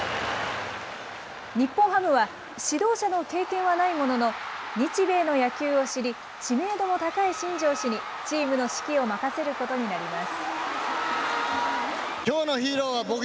日本ハムは指導者の経験はないものの、日米の野球を知り、知名度も高い新庄氏にチームの指揮を任せることになります。